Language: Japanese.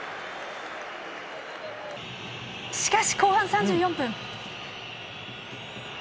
しかし、後半３４分。